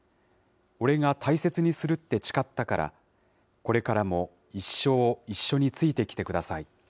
俺が大切にするって誓ったから、これからも一生一緒についてきてください。